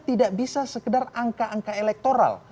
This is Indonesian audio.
tidak bisa sekedar angka angka elektoral